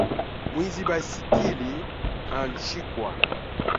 Mwizi baiskili anshikwa